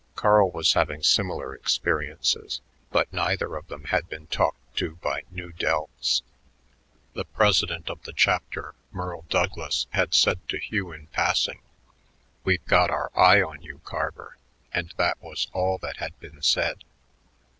Carl was having similar experiences, but neither of them had been talked to by Nu Deltas. The president of the chapter, Merle Douglas, had said to Hugh in passing, "We've got our eye on you, Carver," and that was all that had been said.